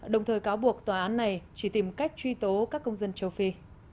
đồng thời cáo buộc tòa án này chỉ tìm cách truy tố các công dân châu phi